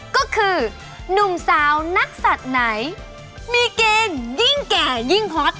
ก็คือหนุ่มสาวนักศัตริย์ไหนมีเกณฑ์ยิ่งแก่ยิ่งฮอต